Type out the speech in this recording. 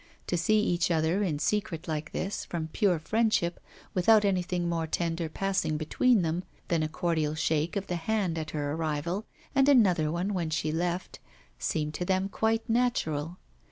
To see each other in secret like this, from pure friendship, without anything more tender passing between them than a cordial shake of the hand at her arrival, and another one when she left, seemed to them quite natural.